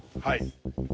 はい。